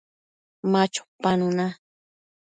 Ma chopanuna